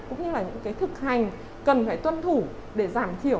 cũng như là những cái thực hành cần phải tuân thủ để giảm thiểu